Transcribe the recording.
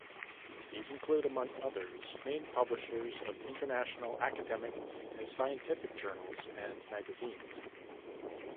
These include, among others, main publishers of international academic and scientific journals and magazines.